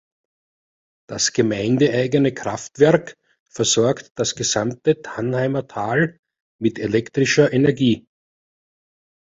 Das gemeindeeigene Kraftwerk versorgt das gesamte Tannheimer Tal mit elektrischer Energie.